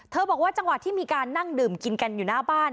บอกว่าจังหวะที่มีการนั่งดื่มกินกันอยู่หน้าบ้าน